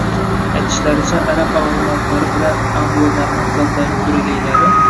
Aytishlaricha, arab arg`umoqlari bilan anglo-normand zotlarining duragaylari